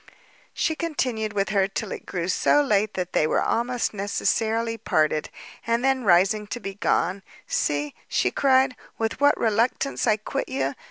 She continued with her till it grew so late that they were almost necessarily parted; and then rising to be gone, "See," she cried, "with what reluctance I quit you!